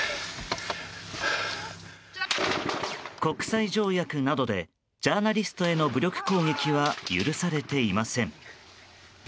国際条約などでジャーナリストへの武力攻撃は許されていません。